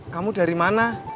kamu dari mana